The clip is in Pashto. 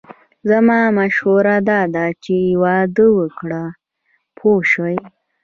زما مشوره داده چې واده وکړه پوه شوې!.